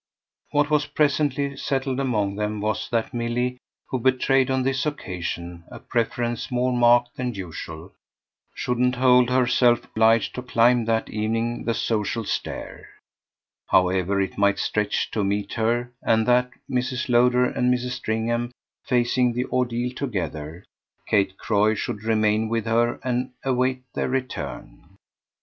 What was presently settled among them was that Milly, who betrayed on this occasion a preference more marked than usual, shouldn't hold herself obliged to climb that evening the social stair, however it might stretch to meet her, and that, Mrs. Lowder and Mrs. Stringham facing the ordeal together, Kate Croy should remain with her and await their return.